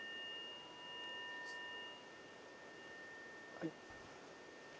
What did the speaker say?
はい。